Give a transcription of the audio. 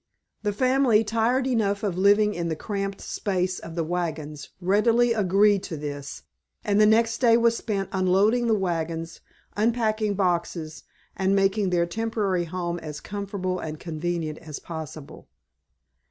The family, tired enough of living in the cramped space of the wagons, readily agreed to this, and the next day was spent unloading the wagons, unpacking boxes, and making their temporary home as comfortable and convenient as possible.